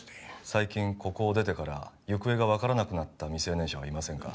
最近ここを出てから行方が分からなくなった未成年者はいませんか？